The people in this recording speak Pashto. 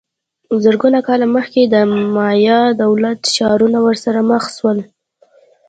زرګونه کاله مخکې د مایا دولت ښارونه ورسره مخ سول